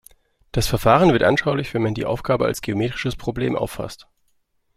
Das Verfahren wird anschaulich, wenn man die Aufgabe als geometrisches Problem auffasst.